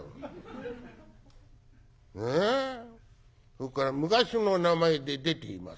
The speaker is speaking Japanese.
それから『昔の名前で出ています』。